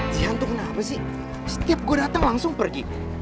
jihan tuh kenapa sih setiap gue datang langsung pergi